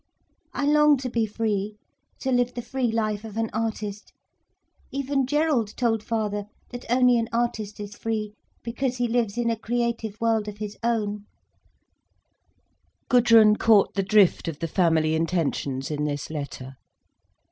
I long to be free, to live the free life of an artist. Even Gerald told father that only an artist is free, because he lives in a creative world of his own—" Gudrun caught the drift of the family intentions, in this letter.